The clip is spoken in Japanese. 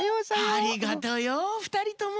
ありがとよふたりとも。